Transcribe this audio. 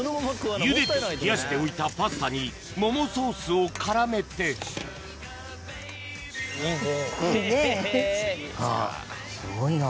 ゆでて冷やしておいたパスタに桃ソースを絡めていいね。